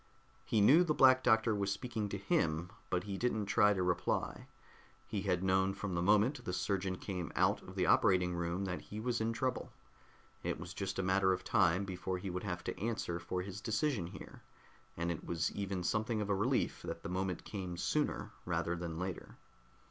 He knew the Black Doctor was speaking to him, but he didn't try to reply. He had known from the moment the surgeon came out of the operating room that he was in trouble. It was just a matter of time before he would have to answer for his decision here, and it was even something of a relief that the moment came sooner rather than later.